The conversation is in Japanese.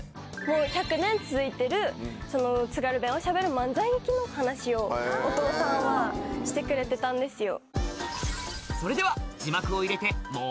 １００年続いてる津軽弁をしゃべる漫才劇の話をお父さんはしてくれてたんですよ。